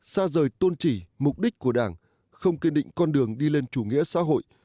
xa rời tôn trị mục đích của đảng không kiên định con đường đi lên chủ nghĩa xã hội